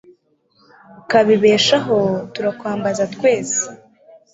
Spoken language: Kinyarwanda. ukabibeshaho, turakwambaza twese